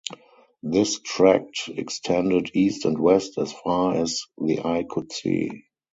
This tract extended east and west as far as the eye could see.